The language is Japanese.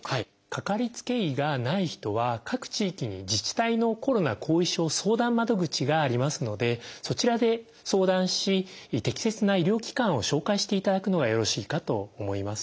かかりつけ医がない人は各地域に自治体のコロナ後遺症相談窓口がありますのでそちらで相談し適切な医療機関を紹介していただくのがよろしいかと思います。